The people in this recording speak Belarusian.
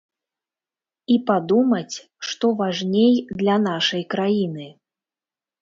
І падумаць, што важней для нашай краіны.